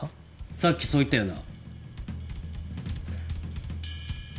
さっきそう言ったよな？